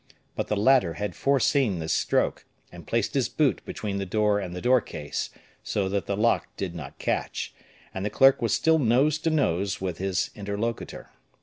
But the latter had foreseen this stroke, and placed his boot between the door and the door case, so that the lock did not catch, and the clerk was still nose to nose with his interlocutor.